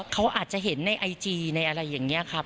เขาอาจจะเห็นในไอจีในอะไรอย่างนี้ครับ